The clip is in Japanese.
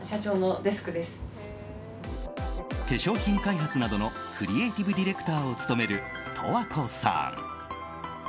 化粧品開発などのクリエイティブディレクターを務める十和子さん。